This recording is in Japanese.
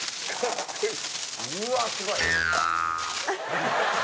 「うわっすごい！」